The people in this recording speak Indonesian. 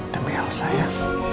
terima kasih sarah